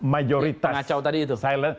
majoritas pengacau tadi itu